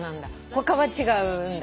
他は違うんだ。